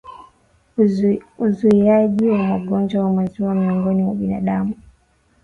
Uzuiaji wa ugonjwa wa maziwa miongoni mwa binadamu